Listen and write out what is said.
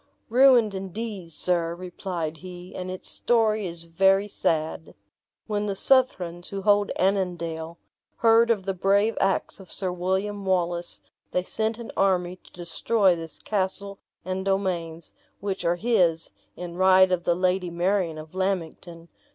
"Ruined, indeed, sir," replied he; "and its story is very sad. When the Southrons, who hold Annandale, heard of the brave acts of Sir William Wallace, they sent an army to destroy this castle and domains, which are his, in right of the Lady Marion of Lammington.